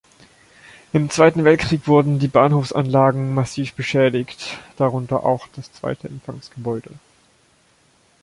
Im Zweiten Weltkrieg wurden die Bahnhofsanlagen massiv beschädigt, darunter auch das zweite Empfangsgebäude.